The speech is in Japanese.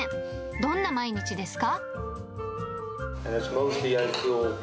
どんな毎日ですか？